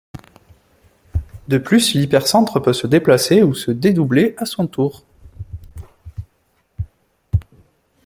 De plus, l'hypercentre peut se déplacer ou se dédoubler à son tour.